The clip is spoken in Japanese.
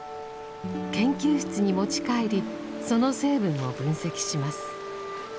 研究室に持ち帰りその成分を分析します。